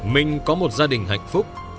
minh có một gia đình hạnh phúc